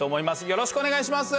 よろしくお願いします。